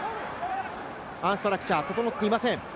アンストラクチャー、整っていません。